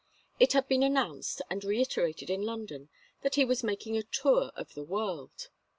It had been announced and reiterated in London that he was making a tour of the world.